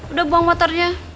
udah buang motornya